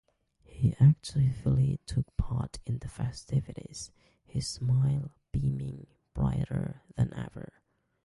He actively took part in the festivities, his smile beaming brighter than ever.